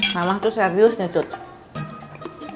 mamah tuh serius nih cucu